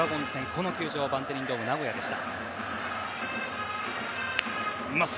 この球場、バンテリンドームナゴヤでした。